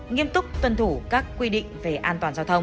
nghiêm túc tuân thủ các quy định về an toàn giao thông